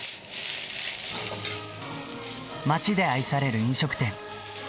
町で愛される飲食店。